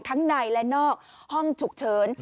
ทั้งในและนอกห้องฉุกเฉิน